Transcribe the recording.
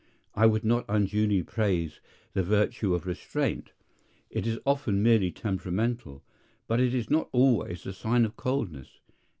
I would not unduly praise the virtue of restraint. It is often merely temperamental. But it is not always a sign of coldness.